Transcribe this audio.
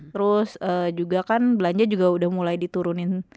terus juga kan belanja juga udah mulai diturunin